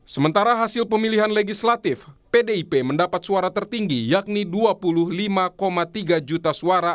sementara hasil pemilihan legislatif pdip mendapat suara tertinggi yakni dua puluh lima tiga juta suara